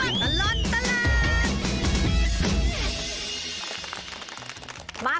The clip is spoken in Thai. ช่วงตลอดตลาด